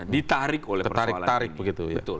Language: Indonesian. ditarik oleh persoalan ini